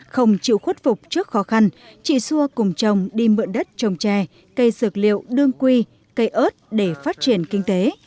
không chịu khuất phục trước khó khăn chị xua cùng chồng đi mượn đất trồng trè cây dược liệu đương quy cây ớt để phát triển kinh tế